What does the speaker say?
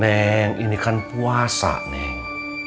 neng ini kan puasa neng